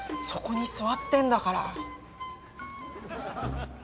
そこに座ってんだから。